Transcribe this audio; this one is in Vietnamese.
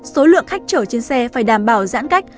số lượng khách chở trên xe phải đảm bảo giãn cách